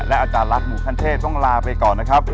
อาจารย์รัฐหมู่ขั้นเทพต้องลาไปก่อนนะครับ